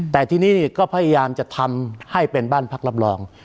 แต่ที่นี่ก็พยายามจะทำให้เป็นบ้านพักรับรอง